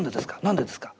何でですか？